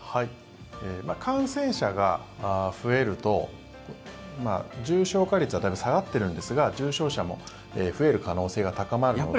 感染者が増えると重症化率はだいぶ下がっていますが重症者も増える可能性が高まるので。